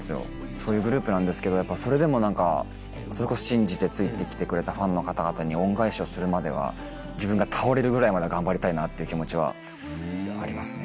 そういうグループなんですけどそれでも何かそれこそ信じてついてきてくれたファンの方々に恩返しをするまでは自分が倒れるぐらいまで頑張りたいなっていう気持ちはありますね。